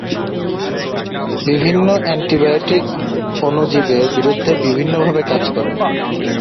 বিভিন্ন অ্যান্টিবায়োটিক অণুজীবের বিরুদ্ধে বিভিন্ন ভাবে কাজ করে।